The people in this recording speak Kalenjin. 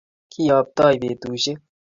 kiyoptoi petushek